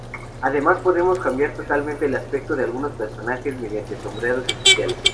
Además podemos cambiar totalmente el aspecto de algunos personajes mediante sombreados especiales.